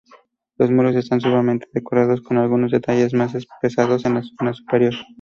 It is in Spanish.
Los muros están suavemente decorados, con algunos detalles más pesados en la zona superior.